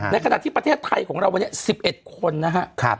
ขณะที่ประเทศไทยของเราวันนี้๑๑คนนะครับ